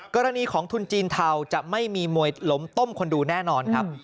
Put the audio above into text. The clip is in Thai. กรณีของทุนจีนเทาจะไม่มีมวยล้มต้มคนดูแน่นอนครับ